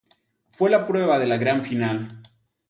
Fue la prueba de la Gran Final.